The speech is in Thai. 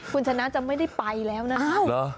คุณชนะจะไม่ได้ไปแล้วนะ